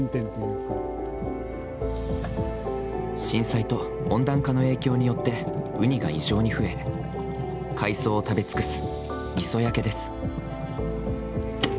震災と温暖化の影響によってウニが異常に増え、海藻を食べ尽くす磯焼けです。